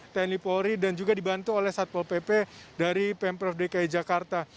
tni polri dan juga dibantu oleh satpol pp dari pemprov dki jakarta